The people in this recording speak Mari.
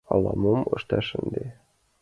Ала-мом ышташ ынде!..